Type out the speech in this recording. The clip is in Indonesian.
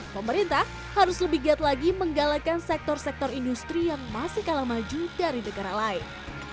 pemerintah harus lebih giat lagi menggalakan sektor sektor industri yang masih kalah maju dari negara lain